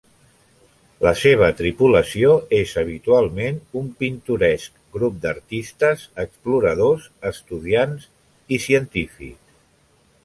La seva tripulació és habitualment un pintoresc grup d'artistes, exploradors, estudiants i científics.